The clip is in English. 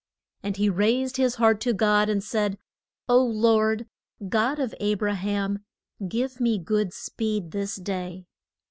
] And he raised his heart to God and said, O Lord God of A bra ham, give me good speed this day.